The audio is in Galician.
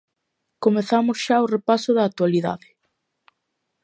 Comezamos xa o repaso da actualidade.